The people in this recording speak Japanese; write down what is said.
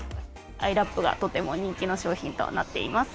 アイラップがとても人気の商品となっています。